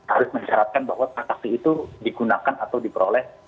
harus mensyaratkan bahwa transaksi itu digunakan atau diperoleh